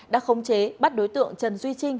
đã khống chế bắt đối tượng trần duy trinh